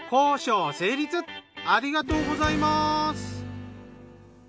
ありがとうございます。